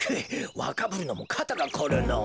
わかぶるのもかたがこるのぉ。